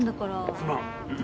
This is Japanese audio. すまん。